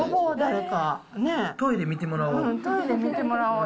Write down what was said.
トイレ見てもらおう。